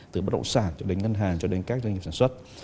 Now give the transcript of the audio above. từ bất động sản cho đến ngân hàng cho đến các doanh nghiệp sản xuất